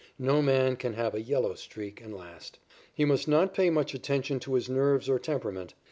No man can have a "yellow streak" and last. He must not pay much attention to his nerves or temperament.